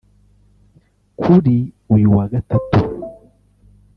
Kuri uyu wa Gatatu